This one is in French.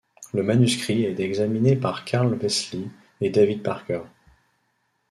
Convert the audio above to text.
Le manuscrit a été examiné par Karl Wessely et David Parker.